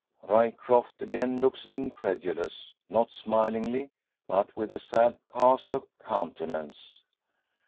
Ryecroft again looks incredulous; not smilingly, but with a sad cast of countenance.